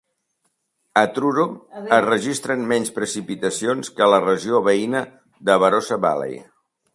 A Truro es registren menys precipitacions que a la regió veïna de Barossa Valley.